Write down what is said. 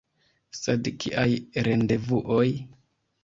Sed kiaj rendevuoj?!